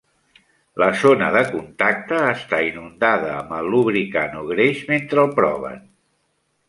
La zona de contacte està inundada amb el lubricant o greix mentre el proven.